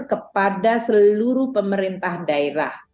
kepada seluruh pemerintah daerah